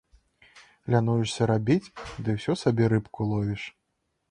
Лянуешся рабіць, ды ўсё сабе рыбку ловіш.